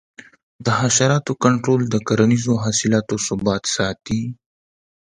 د حشراتو کنټرول د کرنیزو حاصلاتو ثبات ساتي.